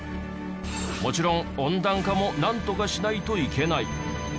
もちろん温暖化もなんとかしないといけない。